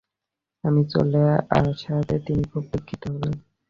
আমি চলে আসাতে তিনি খুব দুঃখিত হলেন।